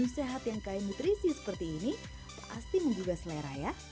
sehat yang kaya nutrisi seperti ini pasti menggugah selera ya